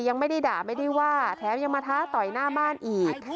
ยังไม่ได้ด่าไม่ได้ว่าแถมยังมาท้าต่อยหน้าบ้านอีก